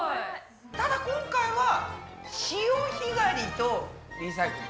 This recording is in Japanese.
ただ今回は「潮干狩りとリサイクル」。